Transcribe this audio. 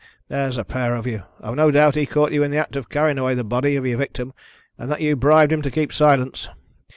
There's a pair of you. I've no doubt he caught you in the act of carrying away the body of your victim, and that you bribed him to keep silence.